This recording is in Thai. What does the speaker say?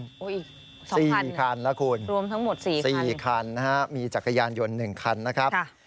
ก็อีก๔คันละคุณมีจักรยานยนต์๑คันนะครับ